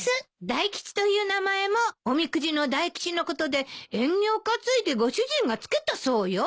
大吉という名前もおみくじの大吉のことで縁起を担いでご主人が付けたそうよ。